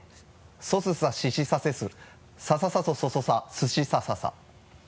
「そすさししさせすさささそそそさすしさささ」